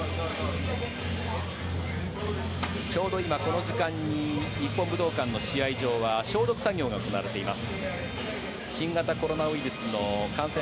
ちょうど今、この時間に日本武道館の試合場は消毒作業が行われています。